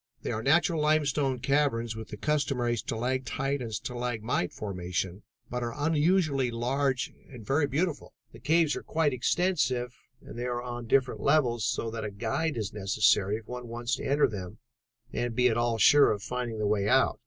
They are natural limestone caverns with the customary stalactite and stalagmite formation, but are unusually large and very beautiful. The caves are quite extensive and they are on different levels, so that a guide is necessary if one wants to enter them and be at all sure of finding the way out.